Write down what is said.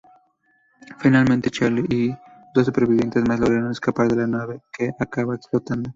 Finalmente Charlie y dos supervivientes más logran escapar de la nave, que acaba explotando.